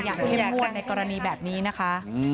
อย่างเข้มมวลในกรณีแบบนี้นะคะ